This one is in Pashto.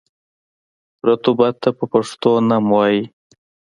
رطوبت ته په پښتو نم وايي.